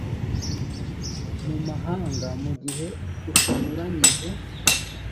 mu mahanga mu gihe atanyuranyije